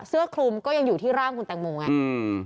เสื้อคลุมก็ยังอยู่ที่ร่างคุณแตงโมไงอืม